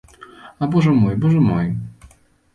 А божа мой, божа мой.